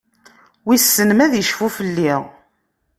Wissen ma ad icfu fell-i?